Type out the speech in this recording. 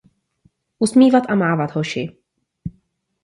Usmívat a mávat, hoši.